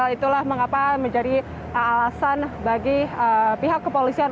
itulah mengapa menjadi alasan bagi pihak kepolisian